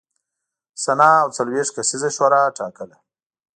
سنا او څلوېښت کسیزه شورا ټاکله